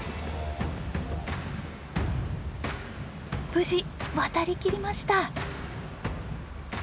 無事渡りきりました！